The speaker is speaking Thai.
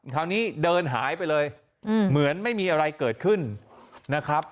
คราวนี้เดินหายไปเลยเหมือนไม่มีอะไรเกิดขึ้นนะครับ